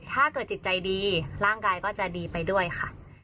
ถ้าเกิดจิตใจดีร่างกายก็จะดีไปด้วยค่ะ